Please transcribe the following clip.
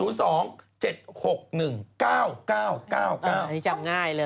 อันนี้จำง่ายเลย